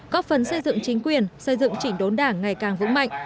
góp phần xây dựng chính quyền xây dựng chỉnh đốn đảng ngày càng vững mạnh